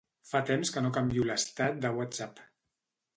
Fa temps que no canvio l'estat de Whatsapp.